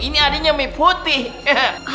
ini adiknya mie putih